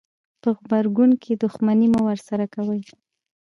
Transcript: په غبرګون کې دښمني مه ورسره کوئ.